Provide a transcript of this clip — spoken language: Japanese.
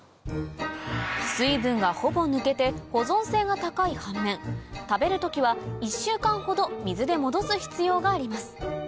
水分がほぼ抜けて保存性が高い反面食べる時は１週間ほど水で戻す必要があります